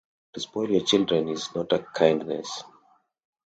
To spoil your children is not a kindness.